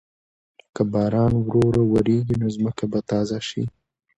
که باران ورو ورو وریږي، نو ځمکه به تازه شي.